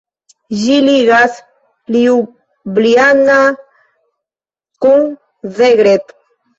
Ĝi ligas Ljubljana kun Zagreb.